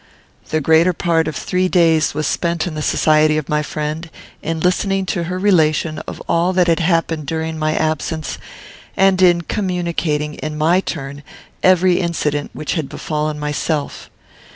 The greater part of three days was spent in the society of my friend, in listening to her relation of all that had happened during my absence, and in communicating, in my turn, every incident which had befallen myself.